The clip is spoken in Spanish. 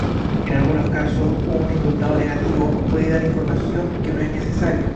En algunos casos, un resultado negativo puede dar información que no es necesaria.